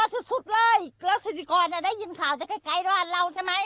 กลัวสุดสุดเลยแล้วสถิกรน่ะได้ยินข่าวจากใกล้ใกล้รอดเราใช่ไหม